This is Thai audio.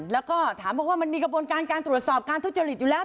แล้วก็ถามบอกว่ามันมีกระบวนการการตรวจสอบการทุจริตอยู่แล้ว